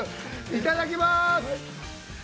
いただきまーす！